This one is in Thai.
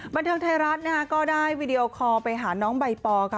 บรรทางไทยรัฐก็ได้วิดีโอคอล์ไปหาน้องใบปอล์